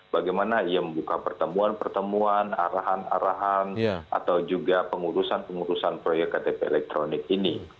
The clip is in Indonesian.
bagaimana ia membuka pertemuan pertemuan arahan arahan atau juga pengurusan pengurusan proyek ktp elektronik ini